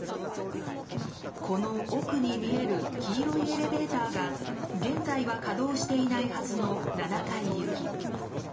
この奥に見える黄色いエレベーターが現在は稼働していないはずの７階行き。